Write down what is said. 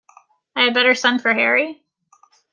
I had better send for Harry?